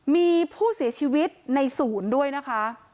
มีผู้เสียชีวิตในศูนย์ด้วยนะคะ